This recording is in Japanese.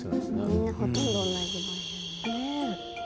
みんなほとんど同じ場所に。